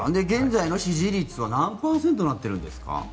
現在の支持率は何パーセントになってるんですか？